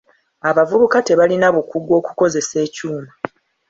Abavubuka tebalina bukugu okukozesa ekyuma.